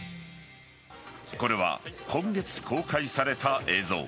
これは今月公開された映像。